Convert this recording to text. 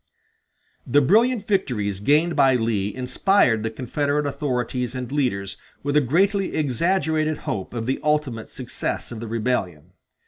The brilliant victories gained by Lee inspired the Confederate authorities and leaders with a greatly exaggerated hope of the ultimate success of the rebellion.